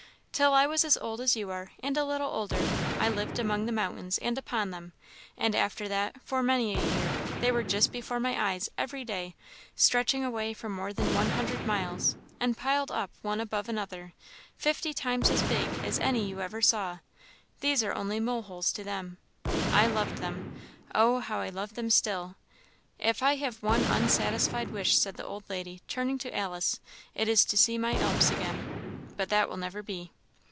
Till I was as old as you are, and a little older, I lived among the mountains and upon them; and after that, for many a year, they were just before my eyes every day, stretching away for more than one hundred miles, and piled up one above another, fifty times as big as any you ever saw; these are only molehills to them. I loved them oh! how I love them still! If I have one unsatisfied wish," said the old lady, turning to Alice, "it is to see my Alps again; but that will never be.